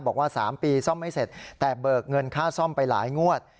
บอกว่า๓ปีซ่อมไม่เสร็จแต่เบิกเงินค่าซ่อมไปหลายงวด